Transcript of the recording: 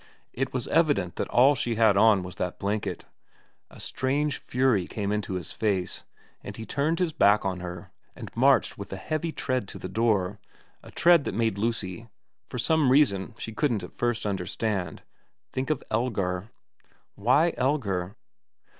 It was evident that all she had on was that blanket. A strange fury came into his face, and he turned his back on her and marched with a heavy tread to the door, a tread that made Lucy, Q 226 VERA xx for some reason she couldn't at first understand, think of Elgar. Why Elgar